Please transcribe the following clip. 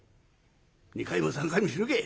「２回も３回も死ぬか！